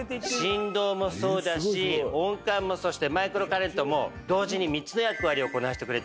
振動もそうだし温感もそしてマイクロカレントも同時に３つの役割をこなしてくれちゃうの。